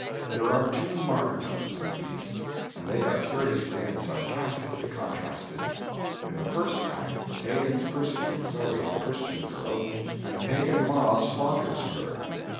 There are two martyrdoms in the piece; and they are curiously and sarcastically contrasted. In the first act the pagans persecute Zoe, the Christian girl, and a pagan mob slaughters her.